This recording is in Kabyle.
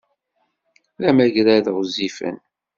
D amagrad ɣezzifen!